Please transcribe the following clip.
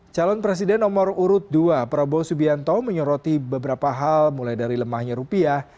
calon presiden nomor urut dua prabowo subianto menyoroti beberapa hal mulai dari lemahnya rupiah